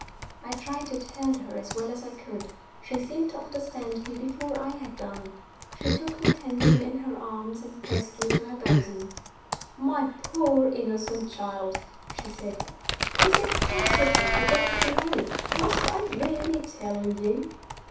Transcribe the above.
I tried to tell her, as well as I could. She seemed to understand me before I had done; she took me tenderly in her arms, and pressed me to her bosom. "My poor innocent child," she said, "is it possible you don't know? Must I really tell you?"